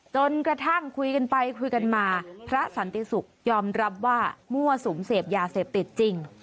จนกระทั่งคุยกันไปคุยกันมาพระสันติศุกร์ยอมรับว่ามั่วสุมเสพยาเสพติดจริง